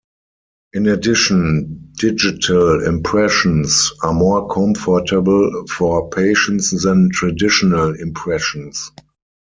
In addition, digital impressions are more comfortable for patients than traditional impressions.